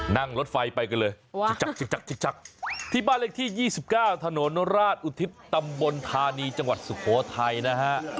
นั่งรถไฟไปกันเลยที่บ้านเลขที่๒๙ถนนราชอุทิศตำบลธานีจังหวัดสุโขทัยนะฮะ